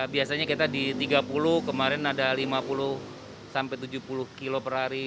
biasanya kita di tiga puluh kemarin ada lima puluh sampai tujuh puluh kilo per hari